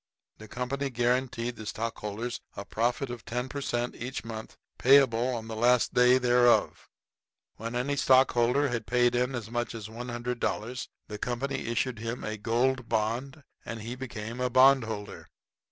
The company guaranteed the stockholders a profit of ten per cent. each month, payable on the last day thereof. When any stockholder had paid in as much as $100, the company issued him a Gold Bond and he became a bondholder.